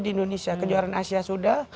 di indonesia kejuaraan asia sudah